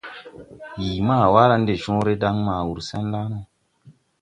Yii ma waara de cõõre de dan ma wur sen la.